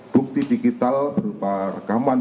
bukti digital berupa rekaman